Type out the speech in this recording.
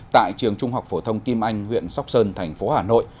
tại trường trung học phổ thông kim anh huyện sóc sơn thành phố hà nội